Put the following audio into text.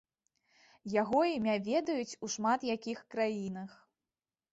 Яго імя ведаюць у шмат якіх краінах.